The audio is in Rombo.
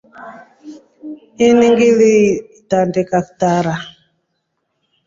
Ini ngilitandika kitanda.